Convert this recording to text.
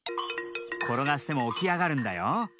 ころがしてもおきあがるんだよ。